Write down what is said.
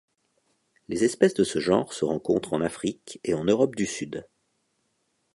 Les espèces de ce genre se rencontrent en Afrique et en Europe du Sud.